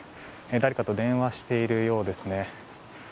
誰かと電話しているようですね。